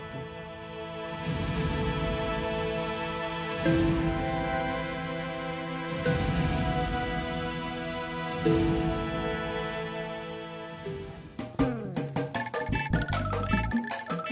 kekacauan itu menyebabkan saya